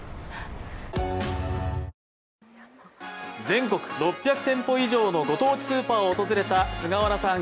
全国６００店舗以上のご当地スーパーを訪れた菅原さん